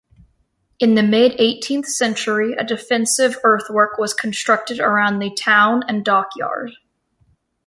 In the mid-eighteenth century a defensive earthwork was constructed around the town and dockyard.